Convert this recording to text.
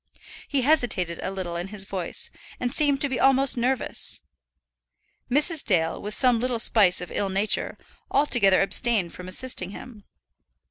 He hesitated a little in his voice, and seemed to be almost nervous. Mrs. Dale, with some little spice of ill nature, altogether abstained from assisting him.